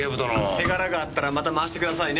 手柄があったらまた回してくださいね。